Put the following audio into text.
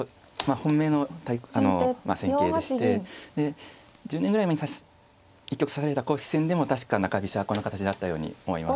本命の戦型でしてで１０年ぐらい前に１局指された公式戦でも確か中飛車この形だったように思います。